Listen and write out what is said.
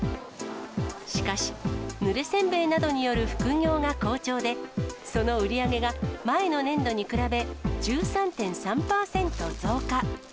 しかし、ぬれ煎餅などによる副業が好調で、その売り上げが前の年度に比べ、１３．３％増加。